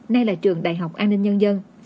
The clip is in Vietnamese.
nay là trường đại học an ninh nhân dân